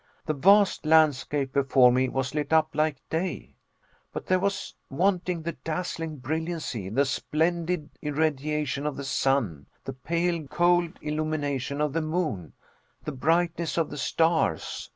The vast landscape before me was lit up like day. But there was wanting the dazzling brilliancy, the splendid irradiation of the sun; the pale cold illumination of the moon; the brightness of the stars.